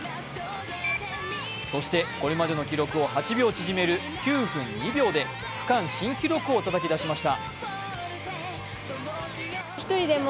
そしてこれまでの記録を８秒縮める９分２秒で区間新記録をたたき出しました。